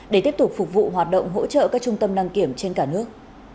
để tiếp tục phục vụ hoạt động hỗ trợ các trung tâm đăng kiểm trên cả nước